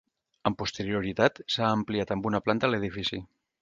Amb posterioritat s'ha ampliat amb una planta l'edifici.